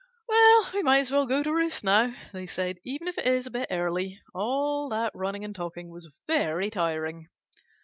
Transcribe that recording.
"We might as well go to roost now," they said, "even if it is a bit early. All that running and talking was very tiring."